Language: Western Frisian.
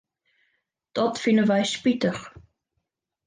Dat fine wy spitich.